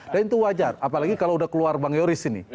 dan itu wajar apalagi kalau sudah keluar bang yoris ini